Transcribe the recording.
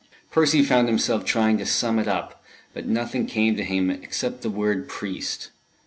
Percy found himself trying to sum it up, but nothing came to him except the word "priest."